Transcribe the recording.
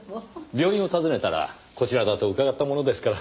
病院を訪ねたらこちらだと伺ったものですから。